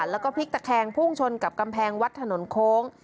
แล้วก็พลิกตะแคงพุ่งชนกับกำแพงวัดถนนโค้ง